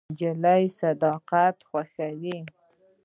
نجلۍ صداقت خوښوي.